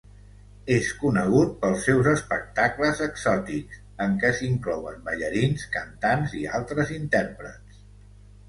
És conegut pels seus espectacles exòtics, en què s'inclouen ballarins, cantants i altres intèrprets.